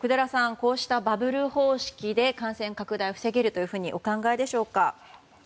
こうしたバブル方式で感染拡大を防げるというふうにお考えでしょうか？